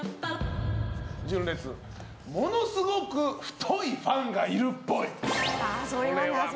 純烈、ものすごく太いファンがいるっぽい。